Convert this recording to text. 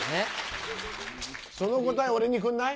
その答え俺にくんない？